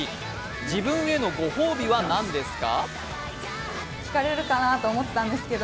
自分へのご褒美は何ですか？